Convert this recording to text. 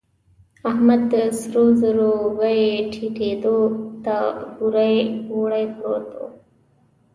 احمد د سرو زرو بيې ټيټېدو ته بوړۍ بوړۍ پروت دی.